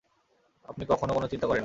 আপনি কখনো কোনো চিন্তা করেননি?